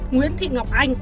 nguyễn thị ngọc anh